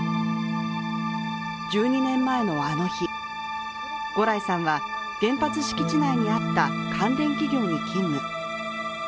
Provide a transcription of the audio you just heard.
１２年前のあの日、牛来さんは原発敷地内にあった関連企業に勤務。